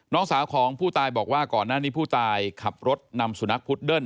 น้องสาวของผู้ตายบอกว่าก่อนหน้านี้ผู้ตายขับรถนำสุนัขพุดเดิ้ล